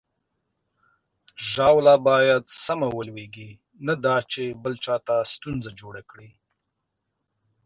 ژاوله باید سمه ولویږي، نه دا چې بل چاته ستونزه جوړه کړي.